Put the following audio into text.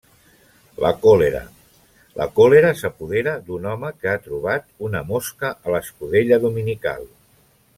La còlera: la còlera s'apodera d'un home que ha trobat una mosca a l'escudella dominical.